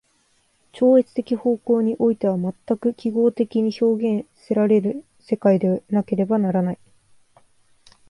超越的方向においては全く記号的に表現せられる世界でなければならない。